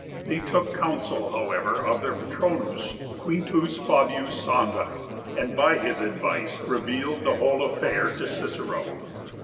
They took counsel however of their 'patronus' Q. Fabius Sanga, and by his advice revealed the whole affair to Cicero.